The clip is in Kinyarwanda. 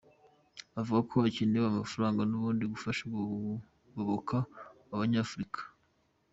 Avuga ko hakenewe amafaranga n’ubundi bufasha bwo kugoboka abo Banyafurika.